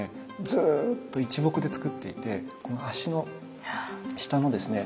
ずっと一木でつくっていてこの足の下のですね